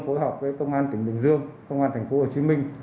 cố gắng với công an tp hcm